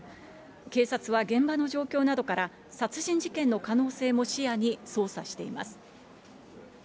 警察は現場の状況などから、殺人事件の可能性も視野に捜査しています。